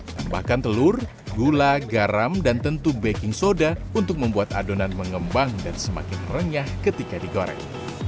tambahkan telur gula garam dan tentu baking soda untuk membuat adonan mengembang dan semakin renyah ketika digoreng